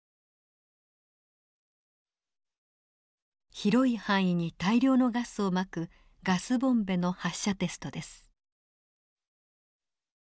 広い範囲に大量のガスをまくガスボンベの発射テストです。